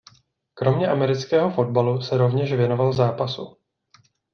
Kromě amerického fotbalu se rovněž věnoval zápasu.